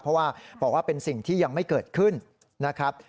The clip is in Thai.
เพราะว่าบอกว่าเป็นสิ่งที่ยังไม่เกิดขึ้นนะครับ